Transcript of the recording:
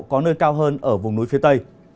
có nơi cao hơn ở vùng núi phía tây